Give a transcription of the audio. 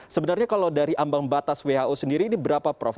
sebenarnya kalau dari ambang batas who sendiri ini berapa prof